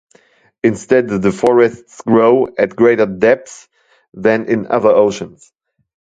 Instead the forests grow at greater depths than in other oceans.